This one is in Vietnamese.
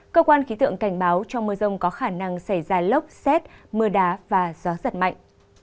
cơ quan khí tượng cảnh báo trong mưa rông có khả năng xảy ra lốc xét mưa đá và gió giật mạnh